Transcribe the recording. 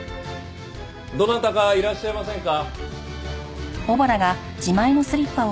どなたかいらっしゃいませんか？